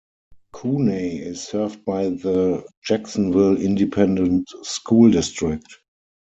Cuney is served by the Jacksonville Independent School District.